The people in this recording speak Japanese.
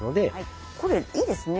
これいいですね。